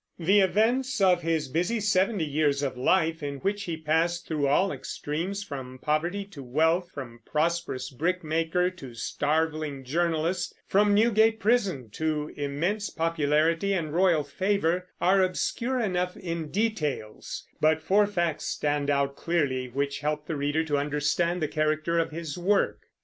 The events of his busy seventy years of life, in which he passed through all extremes, from poverty to wealth, from prosperous brickmaker to starveling journalist, from Newgate prison to immense popularity and royal favor, are obscure enough in details; but four facts stand out clearly, which help the reader to understand the character of his work.